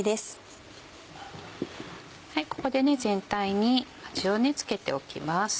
ここで全体に味を付けておきます。